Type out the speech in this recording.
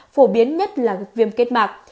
phổ biến nhất là viêm kết mạc